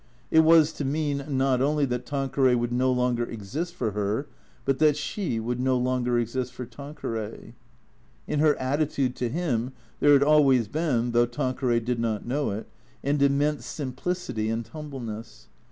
It was to mean, not only that Tanqueray would no longer exist for her, but that she would no longer exist for Tanqueray. In her attitude to him, there had always been, though Tanqueray did ^not know it, an immense simplicity and humbleness.